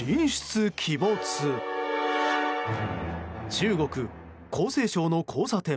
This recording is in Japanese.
中国・江西省の交差点。